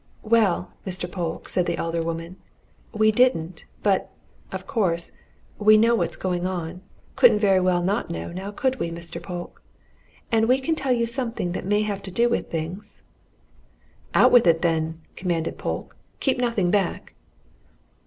"Well, Mr. Polke," said the elder woman, "we didn't. But, of course, we know what's going on couldn't very well not know, now could we, Mr. Polke? And we can tell you something that may have to do with things." "Out with it, then!" commanded Polke. "Keep nothing back."